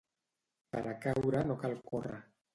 Per a caure no cal córrer.